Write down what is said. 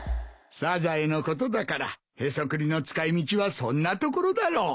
サザエのことだからヘソクリの使い道はそんなところだろう。